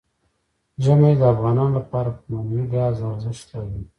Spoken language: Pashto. ژمی د افغانانو لپاره په معنوي لحاظ ارزښت لري.